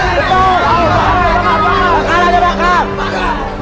pak karta ada bakal